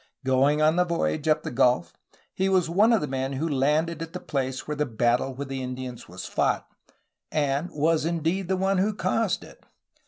Going on the voyage up the gulf he was one of the men who landed at the place where the battle with the Indians was fought, and was indeed the one who caused it.